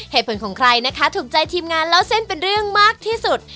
เหตุผลของใครนะคะถูกใจทีมงานเล่าเส้นเป็นเรื่องมากที่สุด